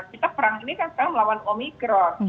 kita perang ini kan sekarang melawan omikron